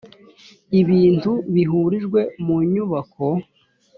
ibintu bihurijwe mu nyubako